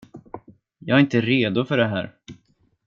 Jag är inte redo för det här.